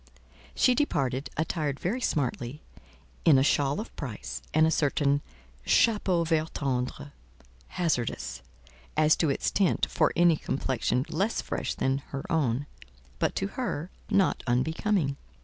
She departed, attired very smartly, in a shawl of price, and a certain chapeau vert tendre—hazardous, as to its tint, for any complexion less fresh than her own, but, to her, not unbecoming.